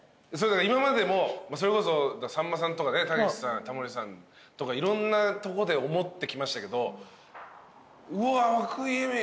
今までもさんまさんとかねたけしさんタモリさんとかいろんなとこで思ってきましたけどうわっ和久井映見